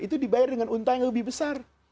itu dibayar dengan unta yang lebih besar